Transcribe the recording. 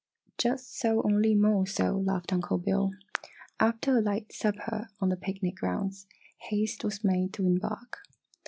"Just so, only more so!" laughed Uncle Bill. After a light supper on the picnic grounds, haste was made to embark.